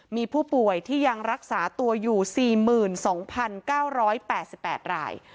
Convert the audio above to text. มีผู้ป่วยที่ยังรักษาตัวอยู่๔๒๙๘๘ราย